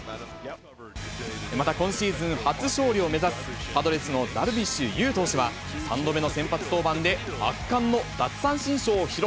また今シーズン初勝利を目指す、パドレスのダルビッシュ有投手は、３度目の先発登板で圧巻の奪三振ショーを披露。